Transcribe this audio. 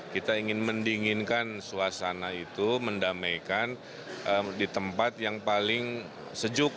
kita ingin mendinginkan suasana itu mendamaikan di tempat yang paling sejuk